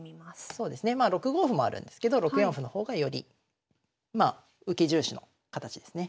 そうですねまあ６五歩もあるんですけど６四歩の方がよりまあ受け重視の形ですね。